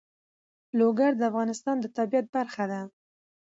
لوگر د افغانستان د طبیعت برخه ده.